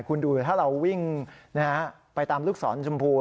คุณดูถ้าเราวิ่งไปตามลูกศรชมพู